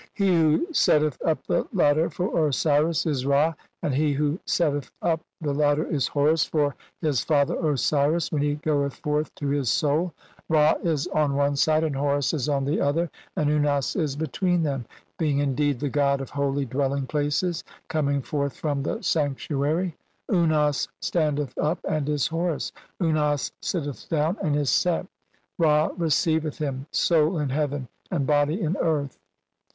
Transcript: (579) "He who setteth up the ladder for Osiris is "Ra, and he who setteth up the ladder is Horus for "his father Osiris wdien he goeth forth to his soul ; Ra "is on one side and Horus is on the other, and Unas "is between them, being indeed the god of holy "dwelling places coming forth from the sanctuary. CXXII INTRODUCTION. 'Unas standeth up and is Horus. Unas sitteth down 'and is Set ; Ra receiveth him, soul in heaven and 'body in earth."